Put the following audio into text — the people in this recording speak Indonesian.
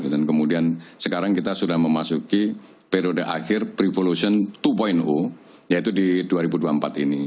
dan kemudian sekarang kita sudah memasuki periode akhir prevolution dua yaitu di dua ribu dua puluh empat ini